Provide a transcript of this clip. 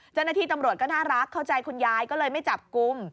เจ้าหน้าที่ตำรวจก็น่ารักเข้าใจคุณยายก็เลยไม่จับกลุ่ม